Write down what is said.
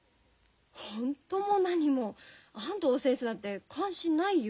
ホンットも何も安藤先生なんて関心ないよ。